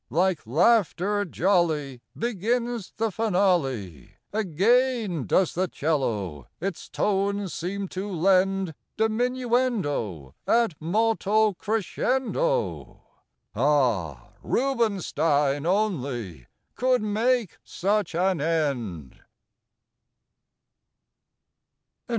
Like laughter jolly Begins the finale; Again does the 'cello its tones seem to lend Diminuendo ad molto crescendo. Ah! Rubinstein only could make such an end!